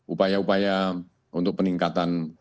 upaya upaya untuk peningkatan